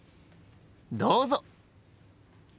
どうぞ！